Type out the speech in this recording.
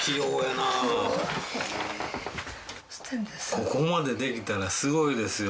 ここまでできたらすごいですよ